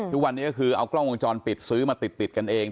ทุกวันนี้ก็คือเอากล้องวงจรปิดซื้อมาติดกันเอง